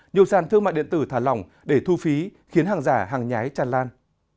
nhiều sàn thương mại điện tử thả lỏng để thu phí khiến hàng giả hàng nhái chàn lan